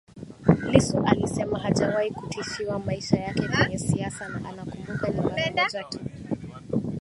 Lissu alisema hajawahi kutishiwa maisha yake kwenye siasa na anakumbuka ni mara moja tu